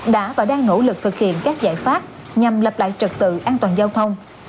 đã và đang nỗ lực thực hiện các giải pháp nhằm lập lại trật tự an toàn giao thông